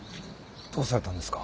どうされたんですか？